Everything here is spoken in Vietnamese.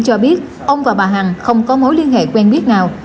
ông và bà hằng không có mối liên hệ quen biết nào